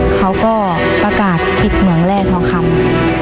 เขาก็ประกาศผิดเหมืองแร่ทองคำ